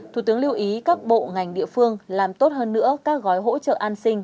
thủ tướng lưu ý các bộ ngành địa phương làm tốt hơn nữa các gói hỗ trợ an sinh